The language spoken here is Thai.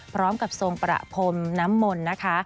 พร้อมกับทรงประพรมน้ำมนต์นะคะ